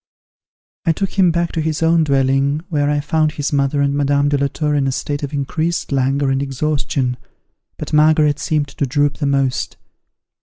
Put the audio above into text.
I took him back to his own dwelling, where I found his mother and Madame de la Tour in a state of increased languor and exhaustion, but Margaret seemed to droop the most.